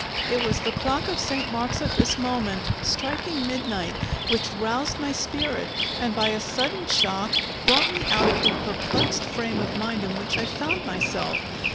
It was the clock of Saint Mark's at this moment striking midnight which roused my spirit, and by a sudden shock brought me out of the perplexed frame of mind in which I found myself.